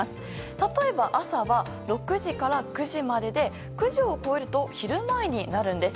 例えば、朝は６時から９時までで９時を超えると昼前になるんです。